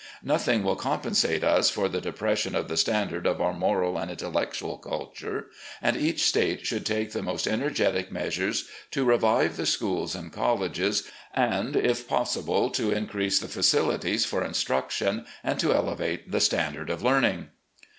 Nothing will compensate us for the depression of the standard of otu* moral and intellectual culture, and each State should take the most energetic measures to revive the schools and colleges, and, if possible, to increase the facilities for instruction, and to elevate the standard of learning.